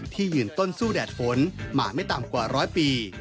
ยืนต้นสู้แดดฝนมาไม่ต่ำกว่าร้อยปี